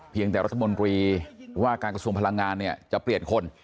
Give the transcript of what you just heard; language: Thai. แต่รัฐมนตรีว่าการกระทรวงพลังงานเนี่ยจะเปลี่ยนคน